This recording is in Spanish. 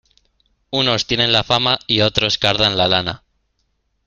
Unos tienen la fama y otros cardan la lana.